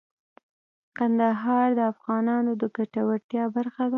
کندهار د افغانانو د ګټورتیا برخه ده.